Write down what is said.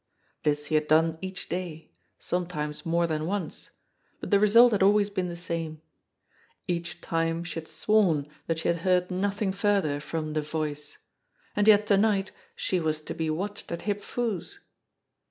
This 76 JIMMIE DALE AND THE PHANTOM CLUE fie had done each day, sometimes more than once; but the result had always been the same. Each time she had sworn that she had heard nothing further from the Voice. And yet to night she was to be watched at Hip Foo's